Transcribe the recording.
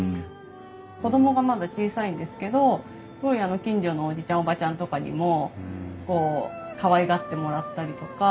子供がまだ小さいんですけどすごい近所のおじちゃんおばちゃんとかにもこうかわいがってもらったりとか。